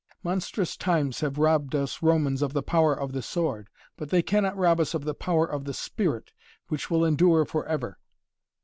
"Monstrous times have robbed us Romans of the power of the sword. But they cannot rob us of the power of the spirit, which will endure forever."